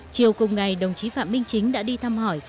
chiều cùng ngày đồng chí phạm minh chính đã đi thăm hỏi